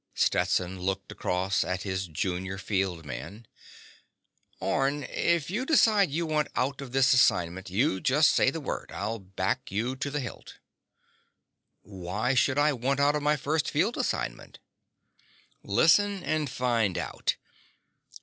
Stetson looked across at his junior field man. "Orne, if you decide you want out of this assignment, you just say the word. I'll back you to the hilt." "Why should I want out of my first field assignment?" "Listen, and find out."